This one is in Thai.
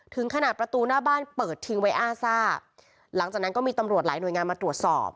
ถึงขนาดประตูหน้าบ้านเปิดทิ้งไว้อ้าซ่าหลังจากนั้นก็มีตำรวจหลายหน่วยงานมาตรวจสอบ